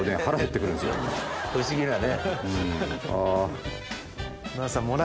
不思議なね。